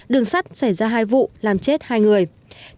đường sắt xảy ra hai vụ làm chết hai người